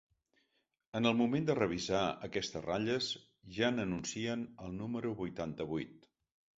En el moment de revisar aquestes ratlles, ja n'anuncien el número vuitanta-vuit.